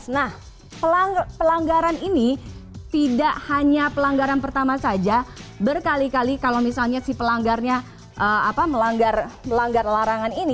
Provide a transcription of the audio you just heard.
nah pelanggaran ini tidak hanya pelanggaran pertama saja berkali kali kalau misalnya si pelanggarnya melanggar larangan ini